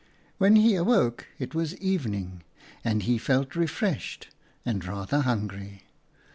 u When he awoke it was evening, and he felt refreshed and rather hungry.